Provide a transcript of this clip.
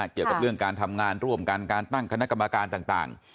เกี่ยวกับเรื่องการทำงานร่วมกันการตั้งคณะกรรมการต่าง